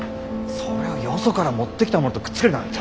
それをよそから持ってきたものとくっつけるなんて。